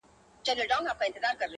« اتفاق په پښتانه کي پیدا نه سو »-